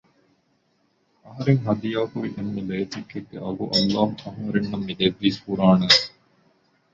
އަހަރެން ހަދިޔާކުރި އެންމެ ލޭތިއްކެއްގެ އަގު ﷲ އަހަރެންނަށް މިދެއްވީ ފުރާނައިން